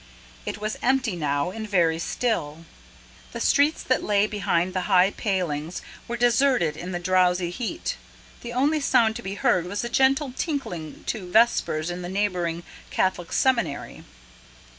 It was empty now, and very still. The streets that lay behind the high palings were deserted in the drowsy heat; the only sound to be heard was a gentle tinkling to vespers in the neighbouring Catholic Seminary.